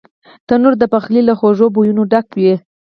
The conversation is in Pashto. تنور د پخلي له خوږو بویونو ډک وي